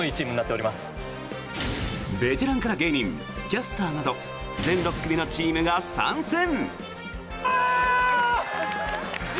ベテランから芸人キャスターなど全６組のチームが参戦！